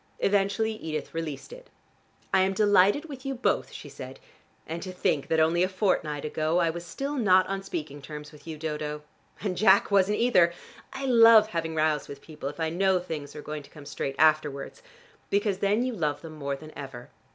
Eventually Edith released it. "I am delighted with you both," she said. "And to think that only a fortnight ago I was still not on speaking terms with you, Dodo. And Jack wasn't either. I love having rows with people if I know things are going to come straight afterwards, because then you love them more than ever.